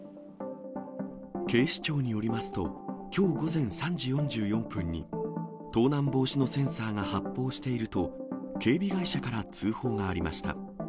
警視庁によりますと、きょう午前３時４４分に、盗難防止のセンサーが発報していると、警備会社から通報がありました。